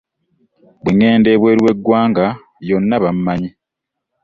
Bwe ŋŋenda ebweru w'eggwanga yonna bammanyi.